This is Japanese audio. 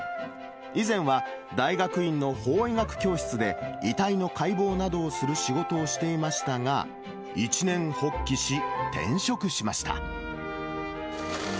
以前は大学院の法医学教室で、遺体の解剖などをする仕事をしていましたが、一念発起し、転職しました。